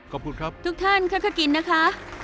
ขอบคุณครับทุกท่านถ้ากินนะคะ